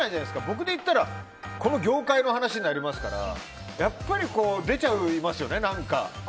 僕でいったらこの業界の話になりますからやっぱり出ちゃいますよね何か。